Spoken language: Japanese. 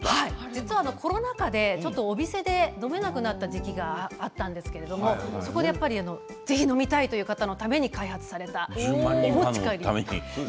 実はコロナ禍でお店で飲めなくなった時期があったんですけどそこでやっぱりぜひ飲みたいという方のために開発されたものです。